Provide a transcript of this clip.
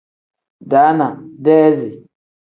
Daana pl: deezi n.